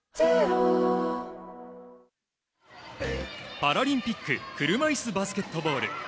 パラリンピック車いすバスケットボール。